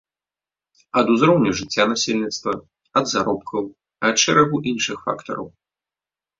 Ад узроўню жыцця насельніцтва, ад заробкаў, ад шэрагу іншых фактараў.